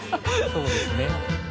そうですね。